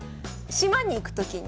島に行くときに。